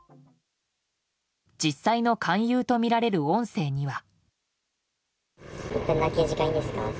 実際の勧誘とみられる音声には。